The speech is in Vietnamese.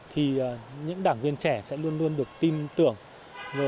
thì những đảng viên trẻ sẽ luôn luôn được tin tưởng